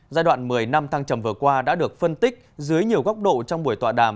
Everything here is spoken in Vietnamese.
giai đoạn một mươi năm thăng trầm vừa qua đã được phân tích dưới nhiều góc độ trong buổi tọa đàm